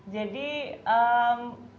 jadi sangat simpel